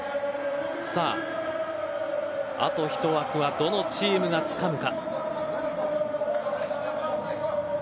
さああと一枠はどのチームがつかむか。